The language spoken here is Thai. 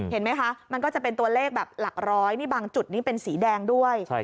เห็นไหมคะมันก็จะเป็นตัวเลขแบบหลักร้อยนี่บางจุดนี้เป็นสีแดงด้วย